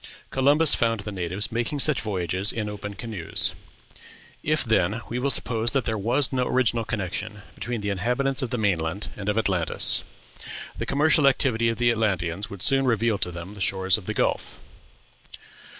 Columbus found the natives making such voyages in open canoes. If, then, we will suppose that there was no original connection between the inhabitants of the main land and of Atlantis, the commercial activity of the Atlanteans would soon reveal to them the shores of the Gulf.